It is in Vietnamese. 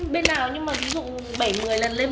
thế còn đâu mà dùng được hay không là do khách